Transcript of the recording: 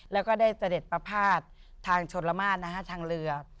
แล้วก็ได้เสด็จประพาททางชนละมาตรทางเรือ